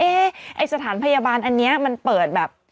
ไอ้สถานพยาบาลอันนี้มันเปิดแบบ